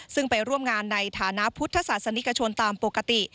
ซึ่งไปร่วมงานในฐานะพุทธศาสนิกชนตามปกติ